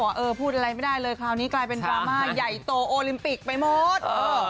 เออพูดอะไรไม่ได้เลยคราวนี้กลายเป็นดราม่าใหญ่โตโอลิมปิกไปหมด